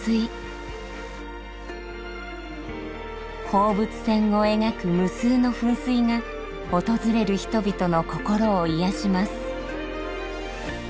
放物線をえがく無数の噴水がおとずれる人々の心をいやします。